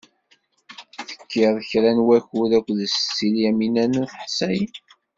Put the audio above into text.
Tekkiḍ kra n wakud akked Setti Lyamina n At Ḥsayen.